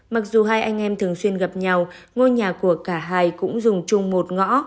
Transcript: mặc dù hai anh em thường xuyên gặp nhau ngôi nhà của cả hai cũng dùng chung một ngõ